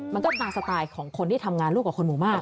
มันก็ตามสไตล์ของคนที่ทำงานร่วมกับคนหมู่มาก